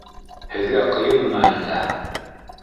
һеҙгә ҡыйынмы әллә?